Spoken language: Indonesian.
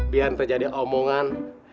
biar ntar jadi omongan